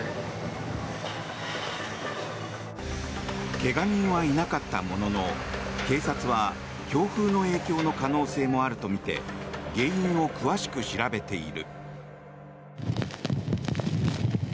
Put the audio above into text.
怪我人はいなかったものの警察は強風の影響の可能性もあるとみて原因を詳しく調べている。